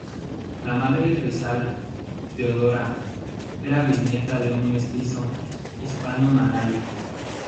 La madre de Rizal, Teodora, era bisnieta de un mestizo hispano-malayo.